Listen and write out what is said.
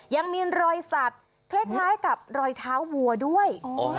ยังมีรอยสัตว์คล้ายกับรอยเท้าวัวด้วย